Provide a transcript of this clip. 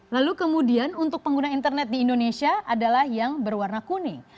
lalu kemudian untuk pengguna internet di indonesia adalah yang berwarna kuning